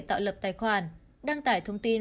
tạo lập tài khoản đăng tải thông tin